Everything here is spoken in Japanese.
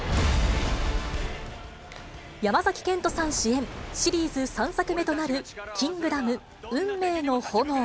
山崎賢人さん主演、シリーズ３作目となるキングダム運命の炎。